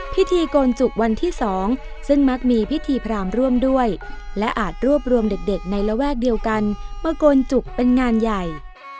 พิธีโกนจุกวันที่๒ซึ่งมักมีพิธีพรามร่วมด้วยและอาจรวบรวมเด็กในระแวกเดียวกันมาโกนจุกเป็นงานใหญ่